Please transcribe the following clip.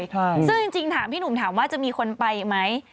ใช่ซึ่งจริงถามพี่หนุ่มถามว่าจะมีคนไปไหม